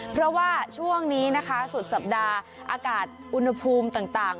เพราะว่าช่วงนี้นะคะสุดสัปดาห์อากาศอุณหภูมิต่าง